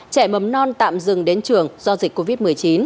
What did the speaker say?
trẻ mầm non tạm dừng đến trường do dịch covid một mươi chín